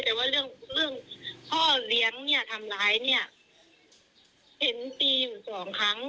แต่ว่าเรื่องเรื่องพ่อเลี้ยงเนี่ยทำร้ายเนี่ยเห็นตีอยู่สองครั้ง